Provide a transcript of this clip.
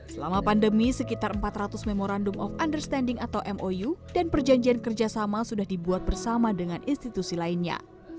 selama pandemi sekitar empat ratus memorandum of understanding atau mou dan perjanjian kerjasama sudah dibuat bersama dengan institusi lainnya